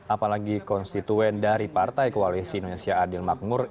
apalagi konstituen dari partai koalisi indonesia adil makmur